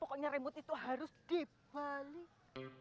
pokoknya remote itu harus dipalik